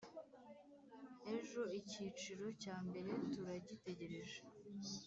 Ejo icyiciro cya mbere turagitegereje